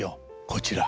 こちら。